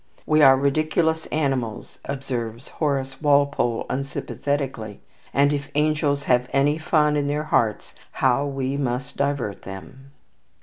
"We are ridiculous animals," observes Horace Walpole unsympathetically, "and if angels have any fun in their hearts, how we must divert them."